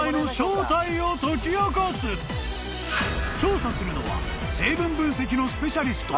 ［調査するのは成分分析のスペシャリスト］